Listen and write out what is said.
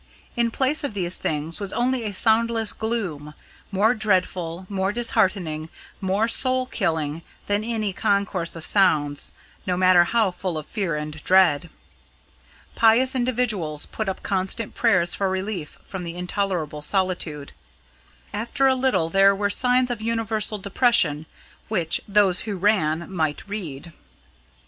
In place of these things was only a soundless gloom, more dreadful, more disheartening, more soul killing than any concourse of sounds, no matter how full of fear and dread. Pious individuals put up constant prayers for relief from the intolerable solitude. After a little there were signs of universal depression which those who ran might read.